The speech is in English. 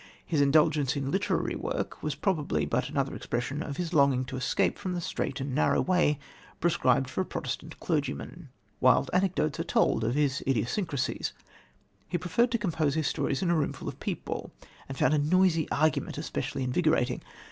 His indulgence in literary work was probably but another expression of his longing to escape from the strait and narrow way prescribed for a Protestant clergyman. Wild anecdotes are told of his idiosyncrasies. He preferred to compose his stories in a room full of people, and he found a noisy argument especially invigorating.